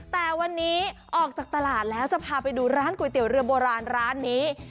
แต่วันนี้ออกจากตลาดแล้วจะพาไปดูร้านก๋วยเตี๋ยวเรือโบราณร้านนี้